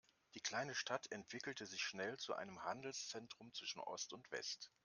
Die kleine Stadt entwickelte sich schnell zu einem Handelszentrum zwischen Ost und West.